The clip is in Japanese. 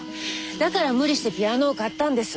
だから無理してピアノを買ったんです。